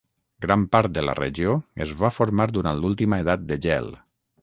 Gran part de la regió es va formar durant l'última Edat de Gel.